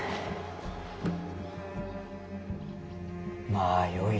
まあよい。